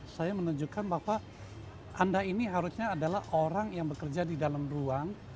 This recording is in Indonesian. saya menunjukkan bahwa anda ini harusnya adalah orang yang bekerja di dalam ruang